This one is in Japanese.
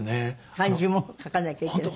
漢字も書かなきゃいけない。